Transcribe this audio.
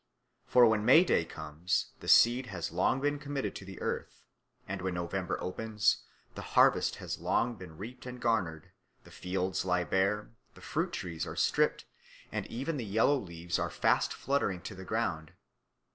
For when May Day comes, the seed has long been committed to the earth; and when November opens, the harvest has long been reaped and garnered, the fields lie bare, the fruit trees are stripped, and even the yellow leaves are fast fluttering to the ground.